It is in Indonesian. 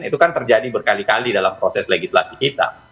itu kan terjadi berkali kali dalam proses legislasi kita